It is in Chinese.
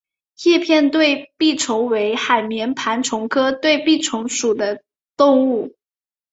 叶片对臂虫为海绵盘虫科对臂虫属的动物。